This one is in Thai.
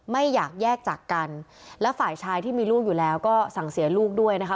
ไม่อยากแยกจากกันและฝ่ายชายที่มีลูกอยู่แล้วก็สั่งเสียลูกด้วยนะคะ